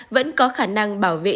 vẫn có khả năng bảo vệ